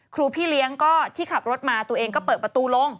พี่เลี้ยงก็ที่ขับรถมาตัวเองก็เปิดประตูลง